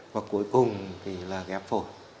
và cuối cùng thì là ghép phổi